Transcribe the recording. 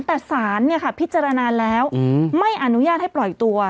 แต่ศาลเนี่ยค่ะพิจารณาแล้วไม่อนุญาตให้ปล่อยตัว